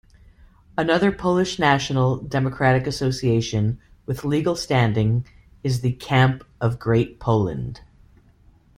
Another Polish national-democratic association with legal standing is the Camp of Great Poland.